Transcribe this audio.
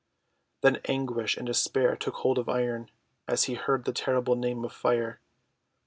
Then anguish and despair took hold of Iron as he heard the terrible name of Fire.